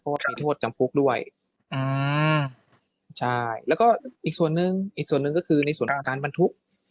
เพราะว่ามีโทษจำพุกด้วยแล้วก็อีกส่วนหนึ่งก็คือในส่วนการบรรทุก